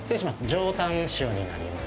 上タン塩になります。